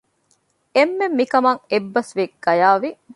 އެންމެން މިކަމަށް އެއްބަސް ވެ ގަޔާވި